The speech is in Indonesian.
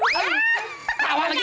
tawa lagi ah